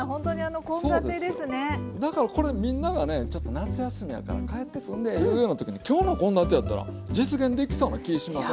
だからこれみんながねちょっと夏休みやから帰ってくんでいうような時に今日の献立やったら実現できそうな気しません？